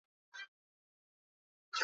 Kitunguu moja ukubwa wa kati gram hamsini